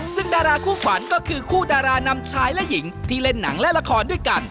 ซึ่งดาราคู่ขวัญก็คือคู่ดารานำชายและหญิงที่เล่นหนังและละครด้วยกัน